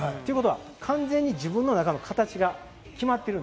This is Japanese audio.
完全に自分の中の形が決まっている。